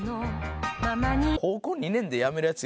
高校２年でやめるヤツ